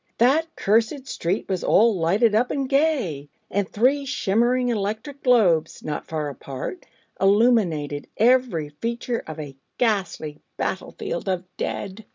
That cursed street was all lighted up and gay! and three shimmering electric globes, not far apart, illuminated every feature of a ghastly battle field of dead.